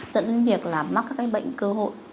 dẫn đến việc là mắc các cái bệnh cơ hội